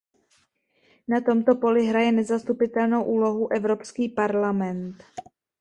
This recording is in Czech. Na tomto poli hraje nezastupitelnou úlohu Evropský parlament.